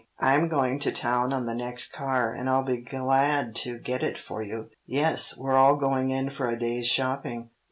"I'm going to town on the next car, and I'll be glad to get it for you. Yes, we're all going in for a day's shopping.